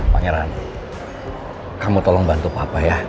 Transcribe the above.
pangeran kamu tolong bantu papa ya